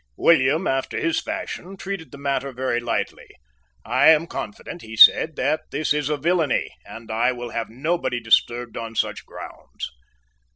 William, after his fashion, treated the matter very lightly. "I am confident," he said, "that this is a villany; and I will have nobody disturbed on such grounds."